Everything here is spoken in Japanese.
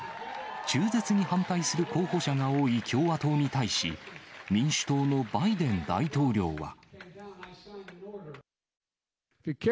中絶に反対する候補者が多い共和党に対し、民主党のバイデン大統領は。